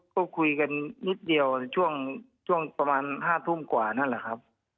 ก็คุยกันนิดเดียวช่วงประมาณ๕ทุ่มกว่านั่นแหละครับ